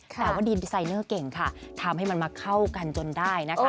แต่ว่าดีนดีไซเนอร์เก่งค่ะทำให้มันมาเข้ากันจนได้นะคะ